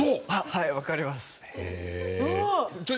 はいわかります。